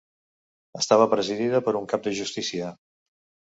Estava presidida per un Cap de justícia.